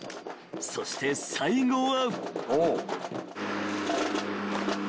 ［そして最後は］